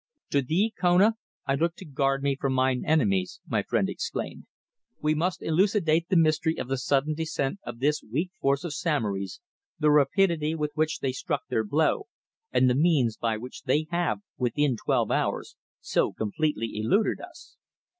"To thee, Kona, I look to guard me from mine enemies," my friend exclaimed. "We must elucidate the mystery of the sudden descent of this weak force of Samory's, the rapidity with which they struck their blow, and the means by which they have, within twelve hours, so completely eluded us."